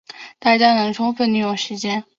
大家能充分利用时间